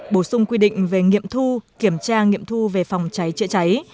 bổ sung quy định về nghiệm thu kiểm tra nghiệm thu về phòng cháy chữa cháy